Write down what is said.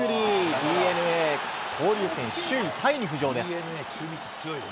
ＤｅＮＡ交流戦首位タイに浮上です。